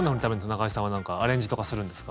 中居さんは、なんかアレンジとかするんですか？